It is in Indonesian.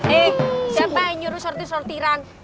eh siapa yang nyuruh sorti sortiran